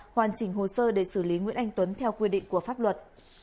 hoàn chỉnh hồ sơ để xử lý nguyễn anh tuấn theo quy định của pháp luật